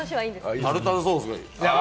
僕はタルタルソースがいい。